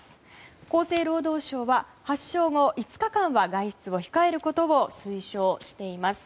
厚生労働省は、発症後５日間は外出を控えることを推奨しています。